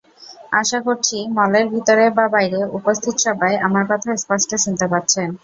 আশা করছি, মলের ভিতরে বা বাইরে উপস্থিত সবাই আমার কথা স্পষ্ট শুনতে পাচ্ছেন।